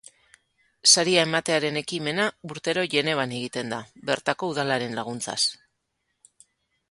Saria ematearen ekimena urtero Genevan egiten da, bertako udalaren laguntzaz.